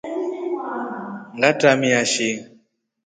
Ngatramia shi.